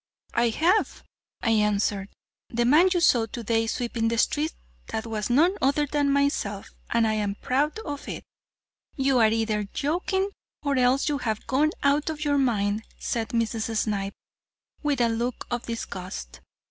"I have," I answered. "The man you saw today sweeping the streets was none other than myself, and I am proud of it." "You are either joking or else you have gone out of your mind," said Mrs. Snipe with a look of disgust.